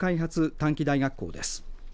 短期大学校です。